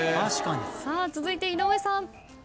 続いて井上さん。